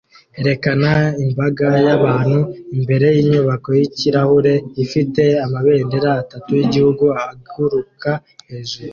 Erekana imbaga y'abantu imbere yinyubako yikirahure ifite amabendera atatu yigihugu aguruka hejuru